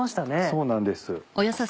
そうなんです。